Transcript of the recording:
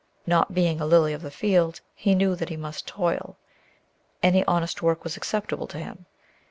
Not being a lily of the field, he knew that he must toil; any honest work was acceptable to him.